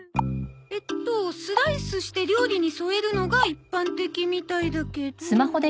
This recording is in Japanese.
えっとスライスして料理に添えるのが一般的みたいだけど。